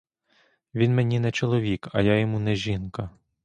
Він мені не чоловік, а я йому не жінка.